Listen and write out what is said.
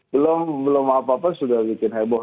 belum belum apa apa sudah bikin heboh